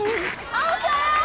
青さん！